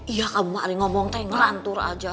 iya kak buma hari ngomong teh merantur aja